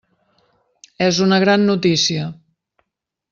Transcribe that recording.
És una gran notícia.